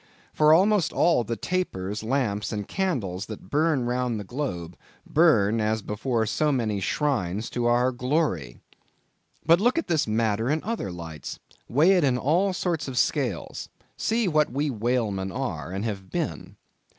for almost all the tapers, lamps, and candles that burn round the globe, burn, as before so many shrines, to our glory! But look at this matter in other lights; weigh it in all sorts of scales; see what we whalemen are, and have been.